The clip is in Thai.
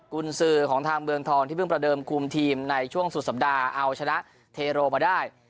กุญสือของทางเมืองทองที่เพิ่งประเดิมคุมทีมในช่วงสุดสัปดาห์เอาชนะเทโรมาได้